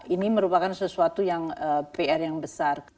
ini merupakan sesuatu yang pr yang besar